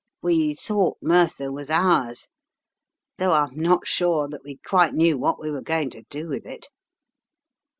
We thought Merthyr was ours, though I'm not sure that we quite knew what we were going to do with it.